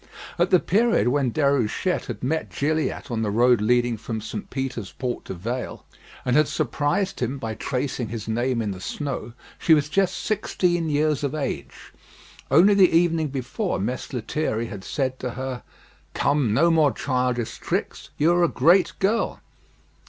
At the period when Déruchette had met Gilliatt on the road leading from St. Peter's Port to Vale, and had surprised him by tracing his name in the snow, she was just sixteen years of age. Only the evening before Mess Lethierry had said to her, "Come, no more childish tricks; you are a great girl."